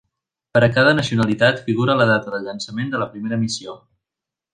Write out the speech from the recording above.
Per a cada nacionalitat figura la data de llançament de la primera missió.